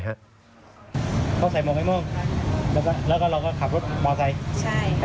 อนเจ้าติดอย่างน้ำน้ำที่แหลน